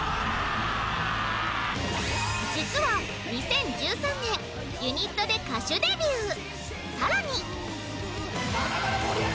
実は２０１３年、ユニットで歌手デビュー。